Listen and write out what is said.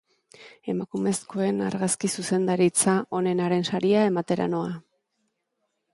Emakumezkoen argazki-zuzendaritza onenaren saria ematera noa.